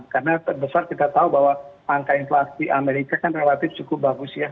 karena terbesar kita tahu bahwa angka inflasi amerika kan relatif cukup bagus ya